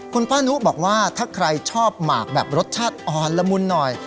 คุณป้านุบอกว่าถ้าใครชอบหมากแบบรสชาติอ่อนละมุนหน่อย